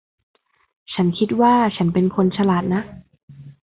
ฉันคิดว่าฉันเป็นคนฉลาดนะ